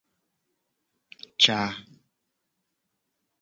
Ca.